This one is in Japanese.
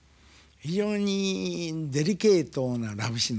非常にデリケートなラブシーンのしかた。